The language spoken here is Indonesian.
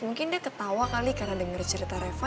mungkin dia ketawa kali karena dengar cerita reva